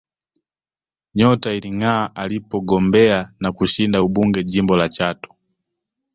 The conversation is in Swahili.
Nyota ilingaa alipogombea na kushinda ubunge jimbo la Chato